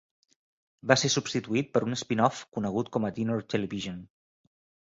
Va ser substituït per un spin-off conegut com a Dinner Television.